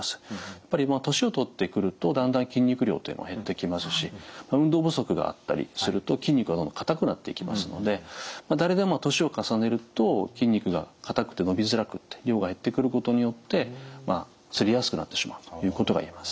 やっぱり年をとってくるとだんだん筋肉量っていうのは減ってきますし運動不足があったりすると筋肉が硬くなっていきますので誰でも年を重ねると筋肉が硬くて伸びづらく量が減ってくることによってつりやすくなってしまうということが言えます。